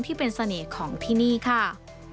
ที่เป็นเสน่ห์ของที่นี่ค่ะ